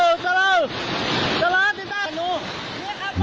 เดี๋ยวไปดูนะฮะตอนที่ช่วยผู้ชายคนนี้ขึ้นมานะครับทุกผู้ชมครับ